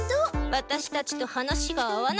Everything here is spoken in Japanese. ワタシたちと話が合わないし。